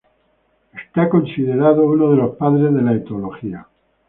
Es considerado uno de los padres de la etología.